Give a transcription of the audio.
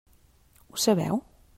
Ho sabeu?